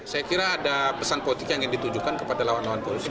saya kira ada pesan politik yang ingin ditujukan kepada lawan lawan politik